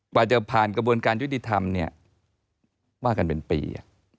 กว่าจะผ่านกระบวนการยุติธรรมเนี่ยว่ากันเป็นปี